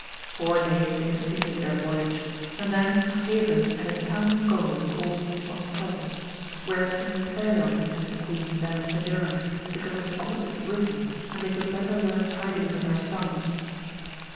Four days they continued their voyage, and then took haven at a town in Gaul called Mostrol, where King Perion and his queen then sojourned, because it was opposite to Britain, and they could better learn tidings of their sons.